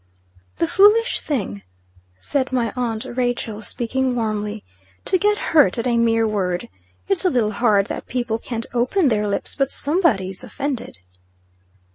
"THE foolish thing!" said my aunt Rachel, speaking warmly, "to get hurt at a mere word. It's a little hard that people can't open their lips but somebody is offended."